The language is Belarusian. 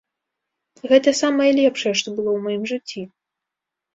Гэта самае лепшае, што было ў маім жыцці.